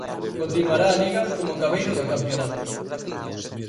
Continuará a Liga como cabeiro do campionato.